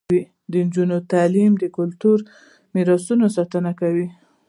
د نجونو تعلیم د کلتوري میراثونو ساتنه کوي.